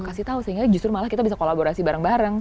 kasih tahu sehingga justru malah kita bisa kolaborasi bareng bareng